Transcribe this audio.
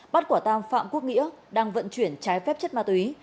bắt quả tang phạm quốc nghĩa đang vận chuyển trái phép chất ma túy